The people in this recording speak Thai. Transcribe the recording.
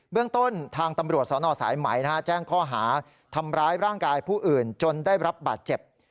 เรื่องต้นทางตำรวจสนสายไหมแจ้งข้อหาทำร้ายร่างกายผู้อื่นจนได้รับบาดเจ็บ